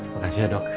makasih ya dok